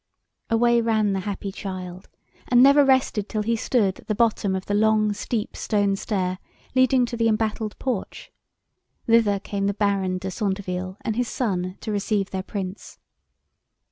Away ran the happy child, and never rested till he stood at the bottom of the long, steep, stone stair, leading to the embattled porch. Thither came the Baron de Centeville, and his son, to receive their Prince.